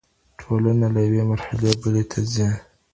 ټولنه له یوې مرحلې بلې ته ځي.